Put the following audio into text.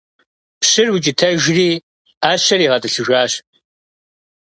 Пщыр укӀытэжри, Ӏэщэр игъэтӀылъыжащ.